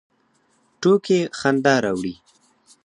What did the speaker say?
ټوکې خندا راوړي